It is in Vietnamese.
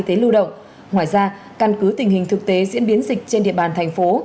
trước tình hình thực tế diễn biến dịch trên địa bàn thành phố